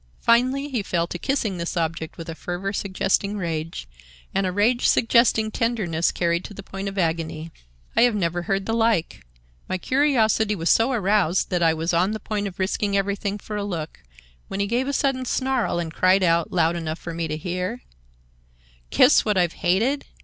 Finally he fell to kissing this object with a fervor suggesting rage, and a rage suggesting tenderness carried to the point of agony. I have never heard the like; my curiosity was so aroused that I was on the point of risking everything for a look, when he gave a sudden snarl and cried out, loud enough for me to hear: 'Kiss what I've hated?